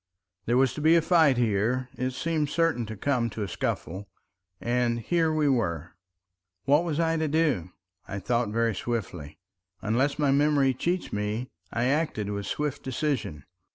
There was to be a fight here, it seemed certain to come to a scuffle, and here we were— What was I to do? I thought very swiftly. Unless my memory cheats me, I acted with swift decision.